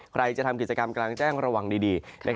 ใครจะทำกิจกรรมกลางแจ้งระวังดี